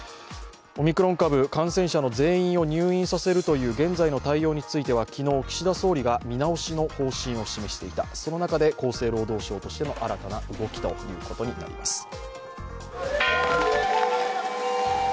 オミクロン株感染者の全員を入院させるという現在の対応については昨日、岸田総理が見直しの方針を示していた、その中で厚生労働省としての新たな動きということになります。